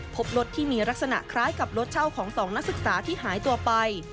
พบรถที่มีลักษณะคล้ายกับรถเช่าของสองนักศึกษาที่หายตัวไป